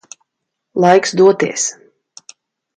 Laiks doties.